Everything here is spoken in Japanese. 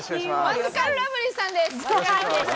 マヂカルラブリーさんです！